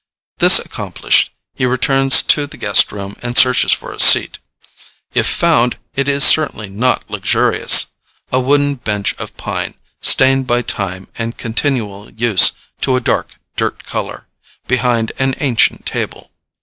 This accomplished, he returns to the guest room and searches for a seat. If found, it is certainly not luxurious a wooden bench of pine, stained by time and continual use to a dark dirt color, behind an ancient table.